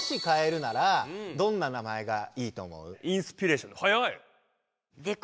もしインスピレーション早い！